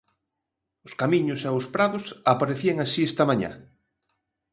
Os camiños e os prados aparecían así esta mañá.